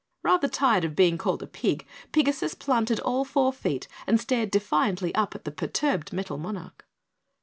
Rather tired of being called a pig, Pigasus planted all four feet and stared defiantly up at the perturbed Metal Monarch.